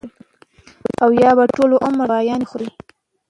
او يا به ټول عمر دوايانې خوري -